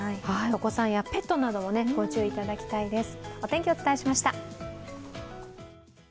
お子さんやペットなどもご注意いただきたいです。